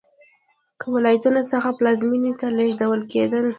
له ولایتونو څخه پلازمېنې ته لېږدول کېدل.